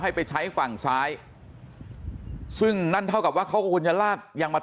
ไปใช้ฝั่งซ้ายซึ่งนั่นเท่ากับว่าเขาก็ควรจะลาดยางมา